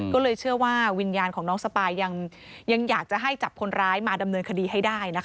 ก็เลยเชื่อว่าวิญญาณของน้องสปายยังอยากจะให้จับคนร้ายมาดำเนินคดีให้ได้นะคะ